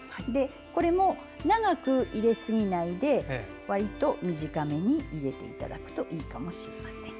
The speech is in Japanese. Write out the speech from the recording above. これも、長く入れすぎないでわりと短めに入れていただくといいかもしれません。